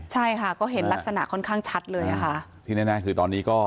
ใช่ค่ะก็เห็นลักษณะค่อนข้างชัดเลยอ่ะค่ะที่แน่คือตอนนี้ก็